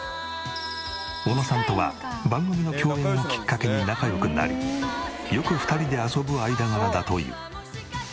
小野さんとは番組の共演をきっかけに仲良くなりよく２人で遊ぶ間柄だという。